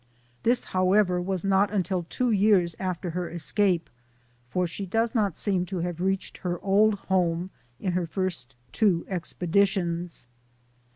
This, however, was not until two years after her escape, for she does not seem to have reached her old home in her first two expeditions.